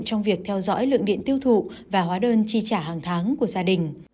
trong việc theo dõi lượng điện tiêu thụ và hóa đơn chi trả hàng tháng của gia đình